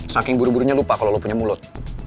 saking buru burunya lupa kalau lo punya mulut